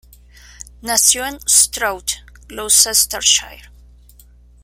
Nació en Stroud, Gloucestershire.